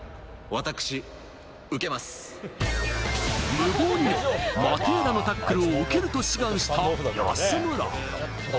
無謀にもマテーラのタックルを受けると志願した安村。